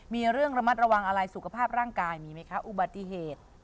มีเรื่องระมัดระวังอะไรสุขภาพร่างกายมีไหมคะอุบัติเหตุ